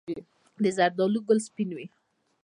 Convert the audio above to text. د زردالو ګل سپین وي؟